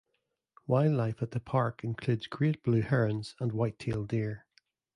Wildlife at the park includes great blue herons and white-tailed deer.